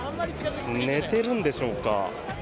寝てるんでしょうか。